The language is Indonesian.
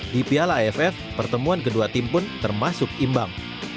di piala aff pertemuan kedua tim pun termasuk imbang